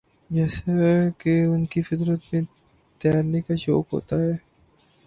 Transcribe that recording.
جیسے کہ ان کی فطر ت میں تیرنے کا شوق ہوتا ہے